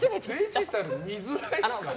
デジタル、見づらいですか？